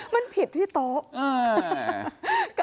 มันผิดที่โต๊ะ